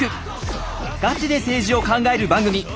ガチで政治を考える番組！